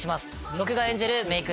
僕が演じるメイク